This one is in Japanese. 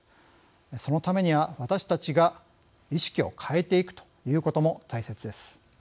そのためには私たちが意識を変えていくということも大切です。